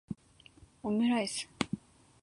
omuraisu